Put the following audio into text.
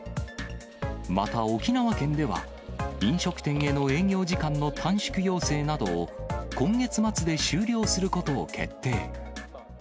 また沖縄県では、飲食店への営業時間の短縮要請などを今月末で終了することを決定。